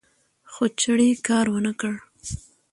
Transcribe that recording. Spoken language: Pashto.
خو چړې کار ونکړ